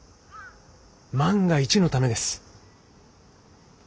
万が一のためです。